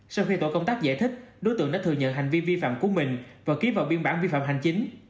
sau khi tổ công tác giải thích đối tượng đã thừa nhận hành vi vi phạm của mình và ký vào biên bản vi phạm hành chính